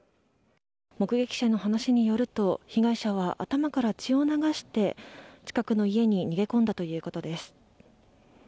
目撃者の話によると被害者は、頭から血を流して近くの家に逃げ込んだということです。